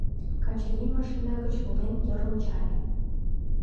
Качырий, машина гыч волен, йыр ончале.